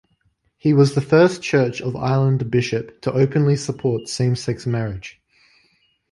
He was the first Church of Ireland bishop to openly support same-sex marriage.